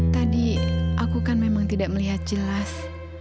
tadi aku kan memang tidak melihat jelas